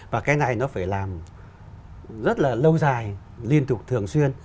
và cái này nó phải làm rất là lâu dài liên tục thường xuyên